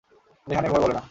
রেহান এভাবে বলে না।